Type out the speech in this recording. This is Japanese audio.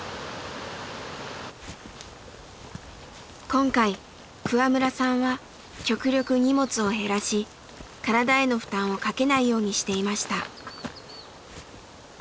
今回桑村さんは極力荷物を減らし体への負担をかけないようにしていました。